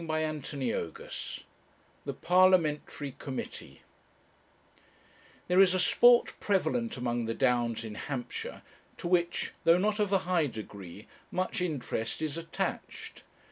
CHAPTER XXXII THE PARLIAMENTARY COMMITTEE There is a sport prevalent among the downs in Hampshire to which, though not of a high degree, much interest is attached.